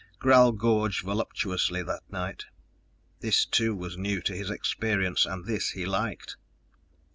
Gral gorged voluptuously that night. This too was new to his experience, and this he liked.